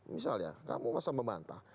misalnya kamu masa memantah